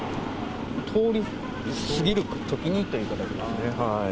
通り過ぎるときにという形ですね。